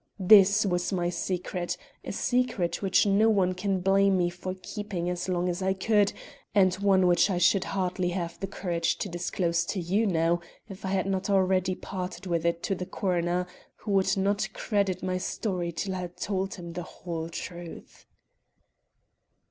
This was my secret a secret which no one can blame me for keeping as long as I could, and one which I should hardly have the courage to disclose to you now if I had not already parted with it to the coroner, who would not credit my story till I had told him the whole truth."